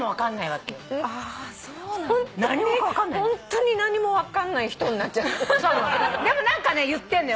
ホントに何も分かんない人になっちゃった。